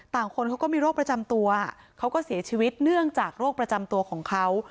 คนเขาก็มีโรคประจำตัวเขาก็เสียชีวิตเนื่องจากโรคประจำตัวของเขา